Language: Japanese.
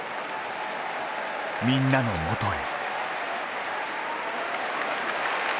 みんなのもとへ。